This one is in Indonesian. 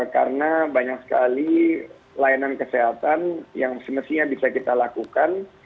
karena banyak sekali layanan kesehatan yang semestinya bisa kita lakukan